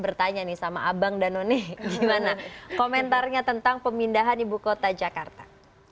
bertanya nih sama abang dan noni gimana komentarnya tentang pemindahan ibu kota jakarta